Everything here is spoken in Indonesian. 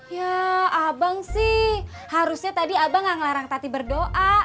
ya abang sih harusnya tadi abang nggak ngelarang tati berdoa